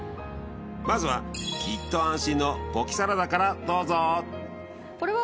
まずはきっと安心のポキサラダからどうぞ！